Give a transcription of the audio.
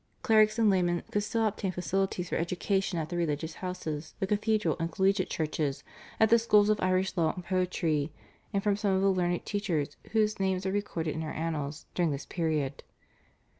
Clerics and laymen could still obtain facilities for education at the religious houses, the cathedral and collegiate churches, at the schools of Irish law and poetry, and from some of the learned teachers whose names are recorded in our Annals during this period.